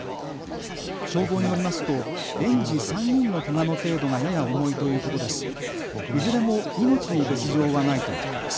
消防によりますと園児３人のけがの程度がやや重いということです。